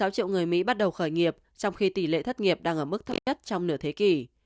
sáu triệu người mỹ bắt đầu khởi nghiệp trong khi tỷ lệ thất nghiệp đang ở mức thấp nhất trong nửa thế kỷ